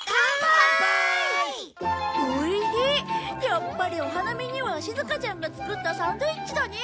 やっぱりお花見にはしずかちゃんが作ったサンドイッチだね。